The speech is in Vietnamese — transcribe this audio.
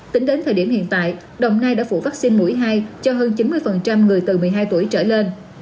tính đến thời điểm hiện tại đồng nai đã phủ vaccine mũi hai cho hơn chín mươi người từ một mươi hai tuổi trở lên